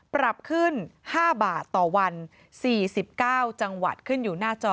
ปรับขึ้น๕บาทต่อวัน๔๙จังหวัดขึ้นอยู่หน้าจอ